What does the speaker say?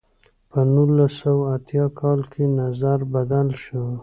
په نولس سوه اتیا کال کې نظر بدل شو.